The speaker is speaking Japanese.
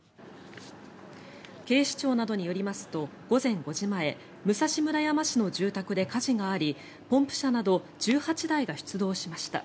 警視庁などによりますと午前５時前武蔵村山市の住宅で火事がありポンプ車など１８台が出動しました。